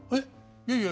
いやいや。